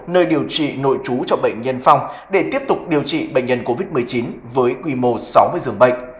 nơi điều trị nội trú cho bệnh nhân phong để tiếp tục điều trị bệnh nhân covid một mươi chín với quy mô sáu mươi dường bệnh